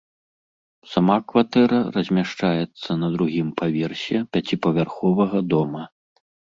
Сама кватэра размяшчаецца на другім паверсе пяціпавярховага дома.